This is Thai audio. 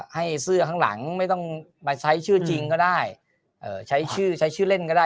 ให้เสื้อข้างหลังไม่ต้องมาใช้ชื่อจริงก็ได้ใช้ชื่อใช้ชื่อเล่นก็ได้